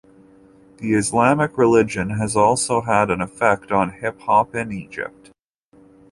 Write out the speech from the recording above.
The Islamic religion has also had an effect on hip hop in Egypt.